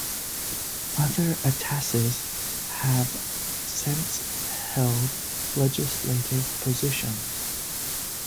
Other Atassis have since held legislative positions.